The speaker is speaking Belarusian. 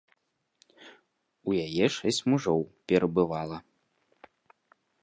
У яе шэсць мужоў перабывала.